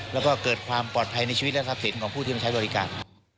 แล้วก็เกิดความปลอดภัยในชีวิตและทรัพย์สินของผู้ที่มาใช้บริการ